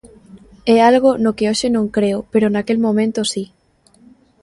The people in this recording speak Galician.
É algo no que hoxe non creo, pero naquel momento si.